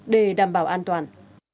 để đảm bảo an toàn